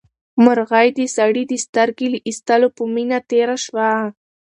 مرغۍ د سړي د سترګې له ایستلو په مینه تېره شوه.